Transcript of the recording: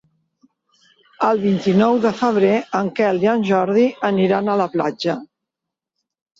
El vint-i-nou de febrer en Quel i en Jordi aniran a la platja.